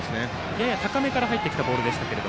やや高めから入ってきたボールでした。